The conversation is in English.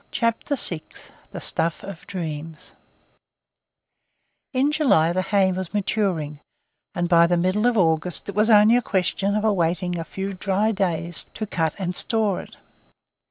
CHAPTER VI THE STUFF OF DREAMS IN July the hay was maturing, and by the middle of August it was only a question of awaiting a few dry days to cut and store it.